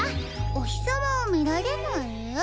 おひさまをみられない？